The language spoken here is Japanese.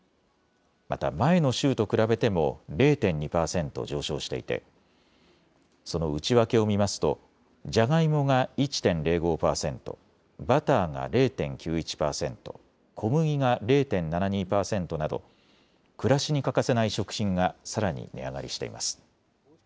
また前の週と比べても０．２％上昇していてその内訳を見ますとジャガイモが１．０５％、バターが０．９１％、小麦が０．７２％など暮らしに欠かせない食品がさらに値上がりしています。